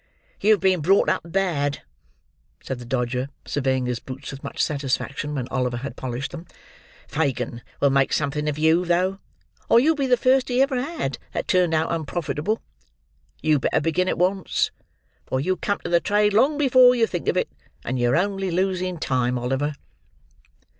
"You've been brought up bad," said the Dodger, surveying his boots with much satisfaction when Oliver had polished them. "Fagin will make something of you, though, or you'll be the first he ever had that turned out unprofitable. You'd better begin at once; for you'll come to the trade long before you think of it; and you're only losing time, Oliver."